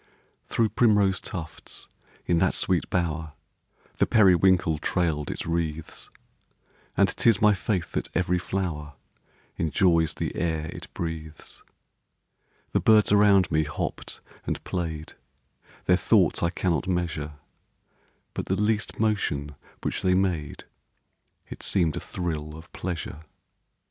Through primrose tufts, in that sweet bower, The periwinkle trail'd its wreaths; And 'tis my faith that every flower Enjoys the air it breathes. The birds around me hopp'd and play'd, Their thoughts I cannot measure But the least motion which they made It seem'd a thrill of pleasure.